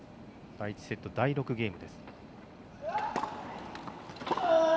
第１セット第６ゲーム。